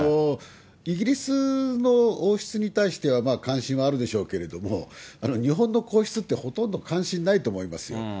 イギリスの王室に対しては、関心はあるでしょうけれども、日本の皇室って、ほとんど関心ないと思いますよ。